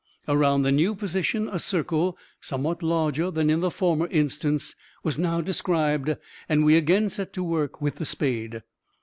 Around the new position a circle, somewhat larger than in the former instance, was now described, and we again set to work with the spade.